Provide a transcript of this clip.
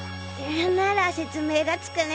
なら説明がつくね。